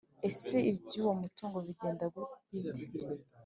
ese iby’uwo mutungo bigenda bite,